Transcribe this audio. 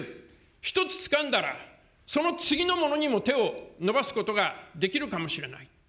一つつかんだら、その次のものにも手を伸ばすことができるかもしれない。